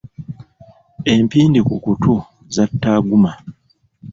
Empindi ku kutu zatta Aguma.